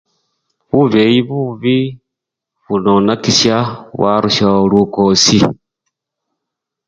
Bubeyi bubi bunonakisya warusyawo lukoosi.